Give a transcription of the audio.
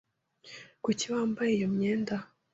Kuki wambaye iyo myenda?